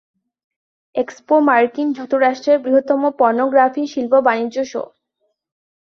Expo মার্কিন যুক্তরাষ্ট্রের বৃহত্তম পর্নোগ্রাফি শিল্প বাণিজ্য শো।